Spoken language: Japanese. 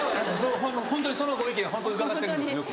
ホントにそのご意見ホント伺ってるんですよく。